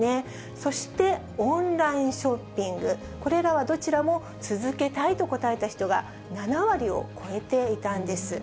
そしてオンラインショッピング、これらはどちらも、続けたいと答えた人が７割を超えていたんです。